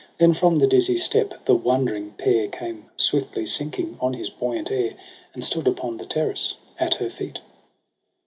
Then from the dizzy steep the wondering pair Came swiftly sinking on his buoyant air. And stood upon the terrace at her feet.